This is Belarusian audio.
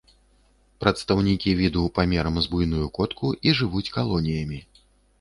Прадстаўнікі віду памерам з буйную котку і жывуць калоніямі.